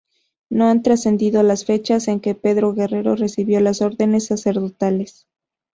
No han trascendido las fechas en que Pedro Guerrero recibió las órdenes sacerdotales.